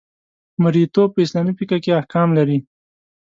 مرییتوب په اسلامي فقه کې احکام لري.